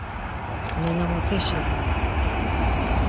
Nena mot eşiğam!